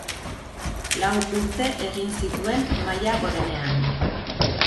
Lau urte egin zituen maila gorenean.